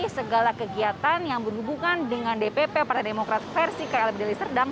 segala kegiatan yang berhubungan dengan dpp partai demokrat versi klb deli serdang